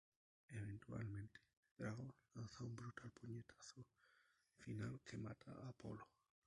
Eventualmente, Drago lanza un brutal puñetazo final que mata a Apollo.